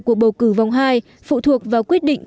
cuộc bầu cử vòng hai phụ thuộc vào quyết định